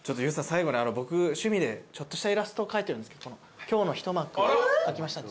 最後に僕趣味でちょっとしたイラストを描いてるんですけど今日の一幕描きましたんで。